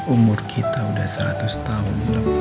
umur kita udah seratus tahun lebih